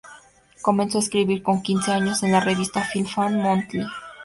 Comenzó a escribir con quince años en la revista "Film Fan Monthly".